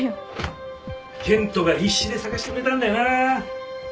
健人が必死で捜してくれたんだよな。